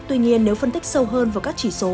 tuy nhiên nếu phân tích sâu hơn vào các chỉ số